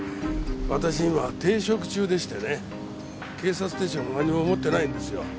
私今停職中でしてね警察手帳もなんにも持ってないんですよ。